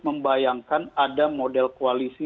membayangkan ada model koalisi